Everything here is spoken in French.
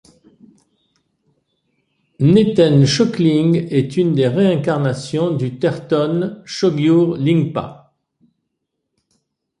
Neten Chokling est une des réincarnations du tertön Chogyur Lingpa.